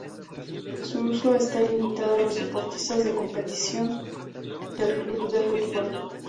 Su uso está limitado a los deportistas de competición del club de fútbol.